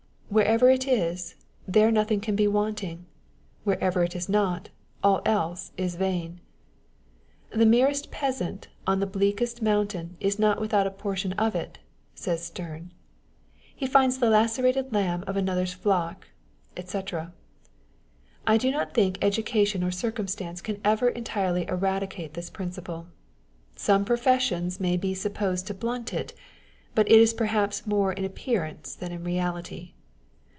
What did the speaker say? Wherever it is, there nothing can be wanting ; wherever it is not, all eke is vain. " The meanest peasant on the bleakest mountain is not without a portion of it (says Sterne) ; he finds the lacerated lamb of another's flock," &c.' 1 do not think education or circumstances can ever entirely eradicate this principle. Some professions may be supposed to blunt it, but it is perhaps more in appearance than in reality.